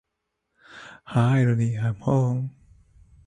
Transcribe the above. Heil Honey I'm Home!